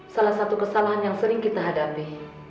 salah satu kesalahan yang sering kita hadapi